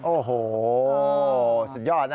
โอ้โฮสุดยอดนะครับ